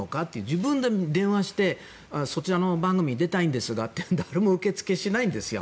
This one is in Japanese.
自分で電話して、そちらの番組に出たいんですがって誰も受け付けしないんですよ。